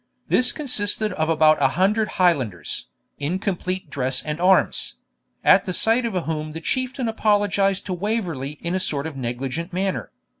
This consisted of about a hundred Highlanders, in complete dress and arms; at sight of whom the Chieftain apologised to Waverley in a sort of negligent manner.